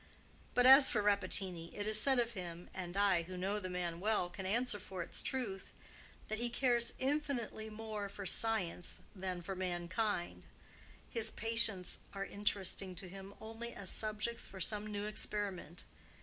"But as for Rappaccini, it is said of him—and I, who know the man well, can answer for its truth—that he cares infinitely more for science than for mankind. His patients are interesting to him only as subjects for some new experiment.